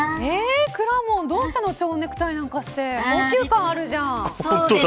くらもん、どうしたの蝶ネクタイなんかして高級感あるじゃん。